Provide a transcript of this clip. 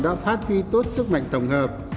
đã phát huy tốt sức mạnh tổng hợp